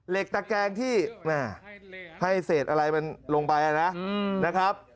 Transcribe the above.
เหล็กตะแกงที่น่าให้เศษอะไรมันลงไปอ่ะนะนะครับ